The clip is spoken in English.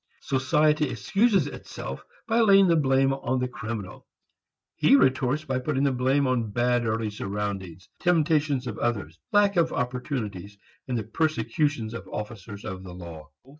Society excuses itself by laying the blame on the criminal; he retorts by putting the blame on bad early surroundings, the temptations of others, lack of opportunities, and the persecutions of officers of the law.